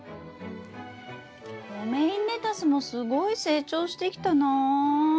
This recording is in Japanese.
ロメインレタスもすごい成長してきたな。